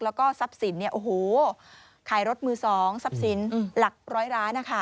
แล้วก็ทรัพย์สินขายรถมือ๒ทรัพย์สินหลักร้อยล้านนะคะ